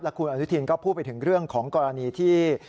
คุณอนุทินก็พูดไปถึงเรื่องของกรณีที่